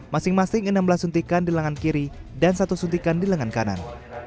masing masing enam belas suntikan di lengan kiri dan satu suntikan di lengan kanan